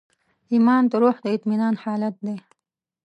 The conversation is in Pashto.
ایمان د روح د اطمینان حالت دی.